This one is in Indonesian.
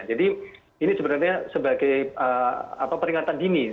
jadi ini sebenarnya sebagai peringatan dini